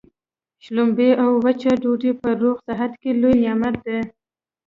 شلومبې او وچه ډوډۍ په روغ صحت کي لوی نعمت دی.